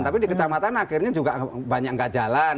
tapi di kecamatan akhirnya juga banyak nggak jalan